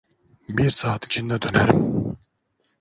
Bir saat içinde dönerim.